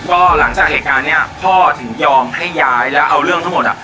ก็หลังจากเหตุการณ์เนี้ยพ่อถึงยอมให้ย้ายแล้วเอาเรื่องทั้งหมดอ่ะ